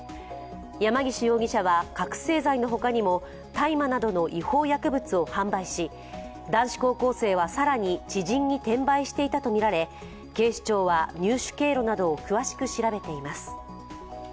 山岸容疑者は覚醒剤のほかにも大麻などの違法薬物を販売し、男子高校生は更に知人に転売していたとみられ、警視庁は入手経路などを詳しく調べています。